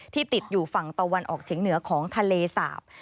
ติดอยู่ฝั่งตะวันออกเฉียงเหนือของทะเลสาบ